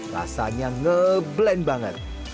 rasanya ngeblend banget